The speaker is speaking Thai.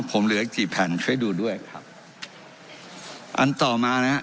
ผมเหลืออีกกี่แผ่นช่วยดูด้วยครับอันต่อมานะฮะ